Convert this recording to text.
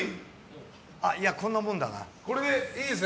いや、こんなもんだな。